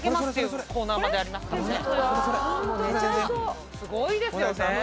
すごいですよね！